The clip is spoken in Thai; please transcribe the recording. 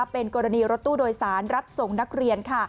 เป็นกรณีรถตู้โดยสารรับส่งนักเรียน